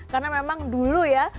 karena memang dulu ya